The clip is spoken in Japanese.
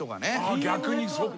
逆にそっか。